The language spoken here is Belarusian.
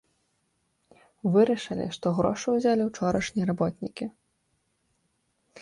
Вырашылі, што грошы ўзялі ўчорашнія работнікі.